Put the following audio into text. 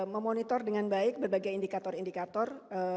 memonitor dengan baik berbagai indikator indikator